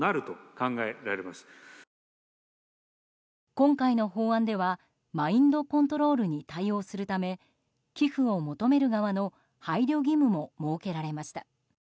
今回の法案ではマインドコントロールに対応するため寄付を求める側の配慮義務も設けられました。